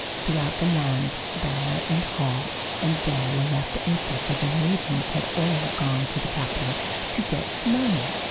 Throughout the land, bower and hall and dell were left empty, for the maidens had all gone to the capital to get learning.